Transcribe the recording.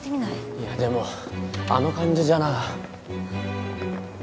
いやでもあの感じじゃな。